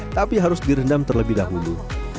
tapi harus direndam terlebih dahulu